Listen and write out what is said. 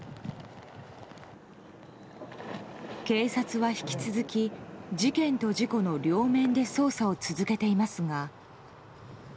警察は引き続き事件と事故の両面で捜査を続けていますが。